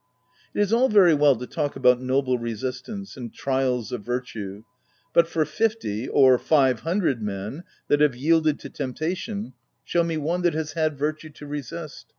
— It is all very well to talk about noble resistance, and trials of virtue ; but for fifty — or five hundred men that have yielded to temptation, shew me one that has had virtue to resist.